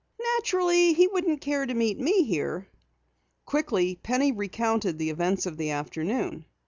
"Naturally he wouldn't care to meet me here." Quickly Penny recounted the events of the afternoon.